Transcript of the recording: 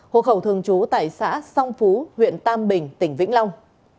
hộ khẩu thường trú tại xã song phú huyện tam bình tỉnh vĩnh long